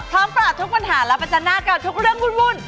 ปราบทุกปัญหาและประจันหน้ากับทุกเรื่องวุ่น